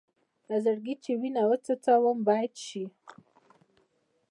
له زړګي چې وينه وڅڅوم بېت شي.